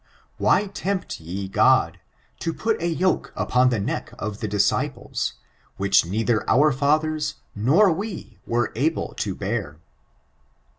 Why tempt ye God, to put a yoke upon the neck of the disciples, which neither our Others nor we were able to bear."